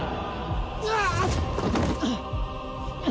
うわっ！